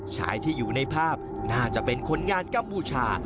ชายที่อยู่ในภาพน่าจะเป็นคนงานกัมพูชา